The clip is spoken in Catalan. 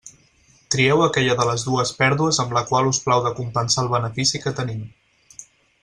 Trieu aquella de les dues pèrdues amb la qual us plau de compensar el benefici que tenim.